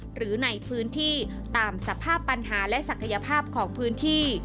หรือในพื้นที่ตามสภาพปัญหาและศักยภาพของพื้นที่